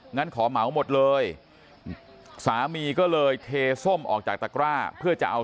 งั้นขอเหมาหมดเลยสามีก็เลยเทส้มออกจากตะกร้าเพื่อจะเอา